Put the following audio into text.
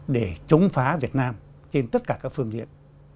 để chống phá việt nam trên tất cả các phương diện